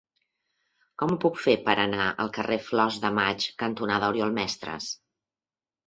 Com ho puc fer per anar al carrer Flors de Maig cantonada Oriol Mestres?